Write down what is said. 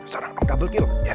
sekarang double kill